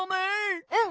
うん！